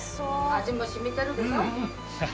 味も染みてるでしょ。